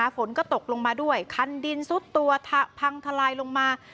ฝนก็ตกลงมาด้วยคันดินซุดตัวพังทลายลงมา